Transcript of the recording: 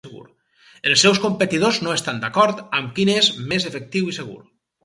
Els seus competidors no estan d'acord amb quin és més efectiu i segur.